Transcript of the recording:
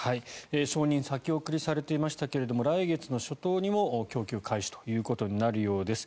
承認先送りされておりましたけれども来月初頭にも供給開始ということになるようです。